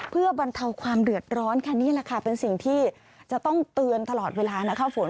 เพื่อบรรเทาความเดือดร้อนค่ะนี่แหละค่ะเป็นสิ่งที่จะต้องเตือนตลอดเวลานะคะฝน